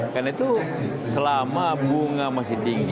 karena itu selama bunga masih tinggi